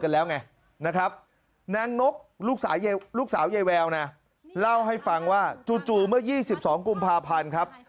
กันแล้วไงนะครับนางนกลูกสาวไยแววนะเล่าให้ฟังว่าจู๋เมื่อ๒๒กุมภาพันธ์ครับ